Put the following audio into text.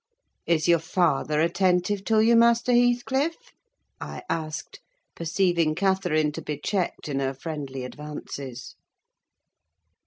"Is your father attentive to you, Master Heathcliff?" I asked, perceiving Catherine to be checked in her friendly advances.